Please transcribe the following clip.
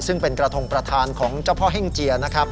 ซึ่งเป็นกระทงประธานของเจ้าพ่อแห้งเจีย